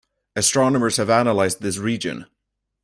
Astronomers have analyzed this region.